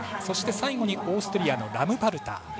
そして、最後にオーストリアのラムパルター。